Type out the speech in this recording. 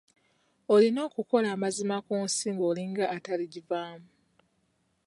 Olina okukola amazima ku nsi ng'olinga ataligivaamu.